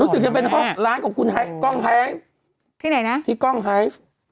รู้สึกยังเป็นร้านของคุณกล้องไฮฟที่กล้องไฮฟ